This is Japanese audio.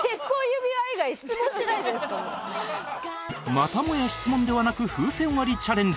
またもや質問ではなく風船割りチャレンジ